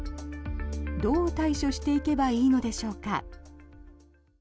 どう対処していけばいいのでしょうか。